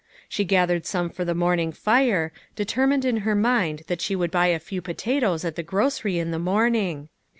She gathered some for the morning fire, determined in her mind that she would buy a few potatoes at the grocery in the morning